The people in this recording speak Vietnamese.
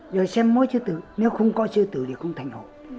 rồi xem mỗi sư tử nếu không có sư tử thì không thành hội